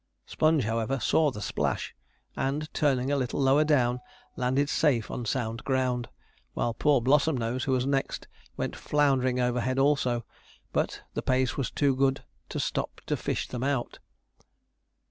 Sponge, however, saw the splash, and turning a little lower down, landed safe on sound ground; while poor Blossomnose, who was next, went floundering overhead also. But the pace was too good to stop to fish them out.